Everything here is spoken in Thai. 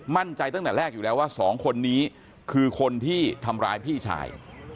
ตั้งแต่แรกอยู่แล้วว่าสองคนนี้คือคนที่ทำร้ายพี่ชาย